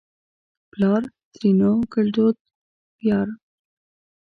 پلار؛ ترينو ګړدود پيار